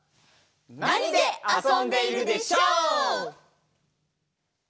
「なにであそんでいるでショー？」。